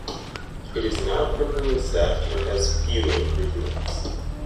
It is not permanently staffed and has few improvements.